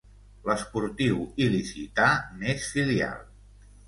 L'Esportiu Il·licità n'és filial.